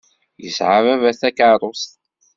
Yesɛa baba takeṛṛust.